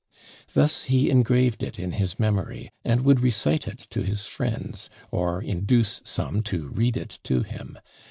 Thus he engraved it in his memory, and would recite it to his friends, or induce some to read it to him.